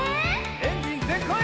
エンジンぜんかい！